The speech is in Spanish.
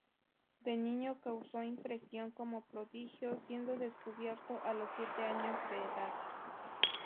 De niño causó impresión como prodigio siendo "descubierto", a los siete años de edad.